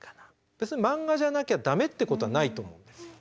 別にマンガじゃなきゃダメっていうことはないと思うんです。